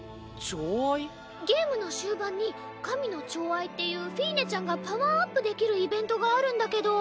ゲームの終盤に神の寵愛っていうフィーネちゃんがパワーアップできるイベントがあるんだけど。